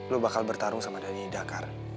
lo bakal bertarung sama dhani dakar